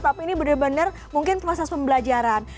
tapi ini benar benar mungkin proses pembelajaran